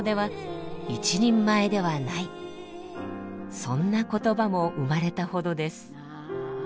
そんな言葉も生まれたほどです。